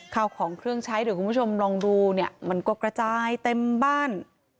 ข้าวของเครื่องใช้เดี๋ยวคุณผู้ชมลองดูเนี่ยมันก็กระจายเต็มบ้าน